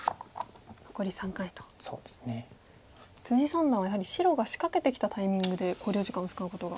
三段はやはり白が仕掛けてきたタイミングで考慮時間を使うことが多いですね。